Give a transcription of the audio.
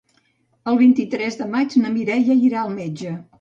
El vint-i-tres de maig na Mireia irà al metge.